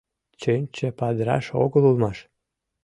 Чинче падыраш огыл улмаш —